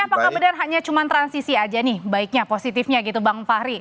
apakah benar hanya cuma transisi aja nih baiknya positifnya gitu bang fahri